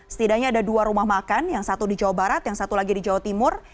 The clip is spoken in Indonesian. setidaknya ada dua rumah makan yang satu di jawa barat yang satu lagi di jawa timur